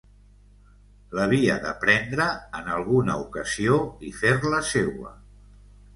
L'havia de prendre, en alguna ocasió, i fer-la seua.